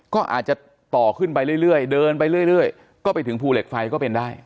ก็อาจจะต่อขึ้นไปเรื่อยเดินไปเรื่อยก็ไปถึงภูเหล็กไฟก็เป็นได้